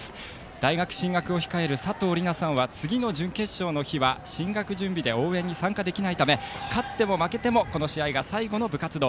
大学進学を控えるさとうりなさんは進学準備で応援に参加できないため勝っても、負けてもこの試合が最後の部活動。